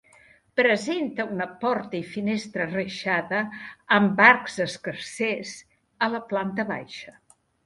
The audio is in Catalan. Presenta una porta i finestra reixada amb arcs escarsers a la planta baixa.